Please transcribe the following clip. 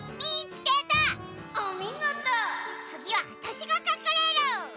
つぎはわたしがかくれる！